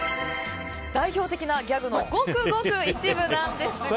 代表的なギャグのごくごく一部なんですが。